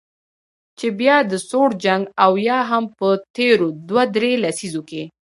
چې بیا د سوړ جنګ او یا هم په تیرو دوه درې لسیزو کې